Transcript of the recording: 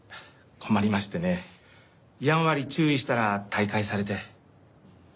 困りましてねやんわり注意したら退会されて。